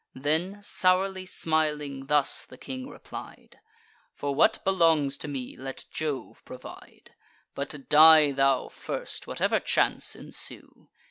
Then, sourly smiling, thus the king replied: "For what belongs to me, let Jove provide; But die thou first, whatever chance ensue."